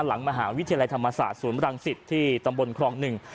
หลังมหาวิทยาลัยธรรมศาสตร์ศูนย์รังสิตที่ตำบลครองหนึ่ง